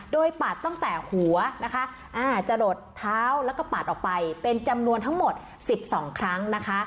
โดยปัดตั้งแต่หัวนะคะจะหลดเท้าแล้วก็ปัดออกไปเป็นจำนวนทั้งหมด๑๒ครั้งนะคะ